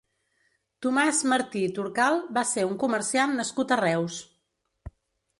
Tomàs Martí Torcal va ser un comerciant nascut a Reus.